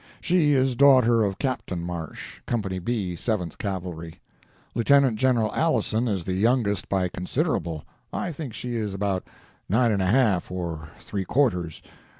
She is daughter of Captain Marsh, Company B, Seventh Cavalry. Lieutenant General Alison is the youngest by considerable; I think she is about nine and a half or three quarters.